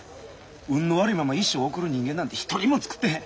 運の悪いまんま一生送る人間なんて一人もつくってへん。